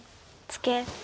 ツケ。